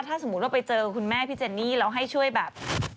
ถ้าสมมุติว่าไปเจอคุณแม่พี่เจนนี่แล้วให้ช่วยแบบ